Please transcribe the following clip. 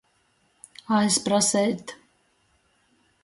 Aizpraseit.